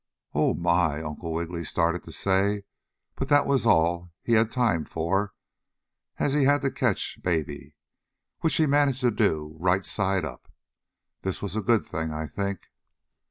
"Oh, my!" Uncle Wiggily started to say, but that was all he had time for, as he had to catch Baby, which he managed to do right side up. This was a good thing, I think.